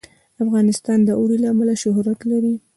افغانستان د اوړي له امله شهرت لري.